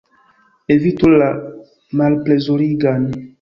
Evitu la malplezurigan!